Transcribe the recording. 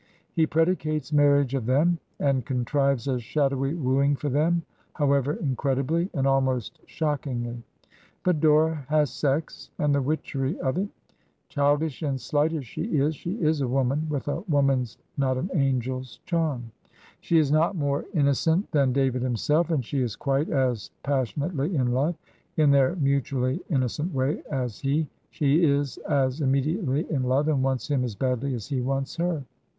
He predicates marriage of them, and contrives a shadowy wooing for them, however incredibly and almost shock ingly; but Dora has sex, and the witchery of it; child ish and slight as she is, she is a woman, with a woman's, not an angel's, charm. She is not more innocent than David himself, and she is quite as passionately in love, in their mutually innocent way, as he; she is as im mediately in love, and wants him as badly as he wants her.